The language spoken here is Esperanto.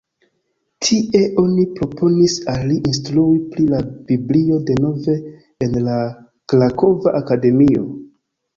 Tie oni proponis al li instrui pri la Biblio denove en la Krakova Akademio.